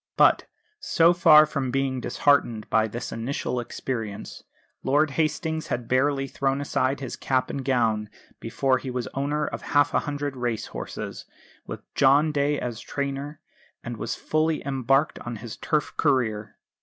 But, so far from being disheartened by this initial experience, Lord Hastings had barely thrown aside his cap and gown before he was owner of half a hundred race horses, with John Day as trainer; and was fully embarked on his turf career.